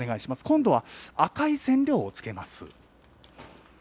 今度は赤い染料をつけます。